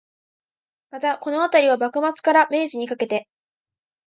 また、このあたりは、幕末から明治にかけて